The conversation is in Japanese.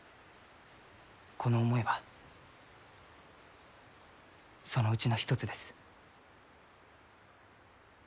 この思いはそのうちの一つです。